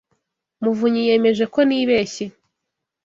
muvunyi yemeje ko nibeshye.